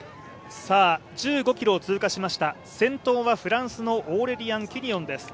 １５ｋｍを通過しました、先頭はフランスのオーレリアン・キニオンです。